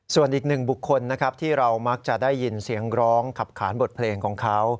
ส่วนอีกหนึ่งบุคคลนะครับที่เรามักจะได้ยินเสียงร้องขับขานบทเพลงของเขา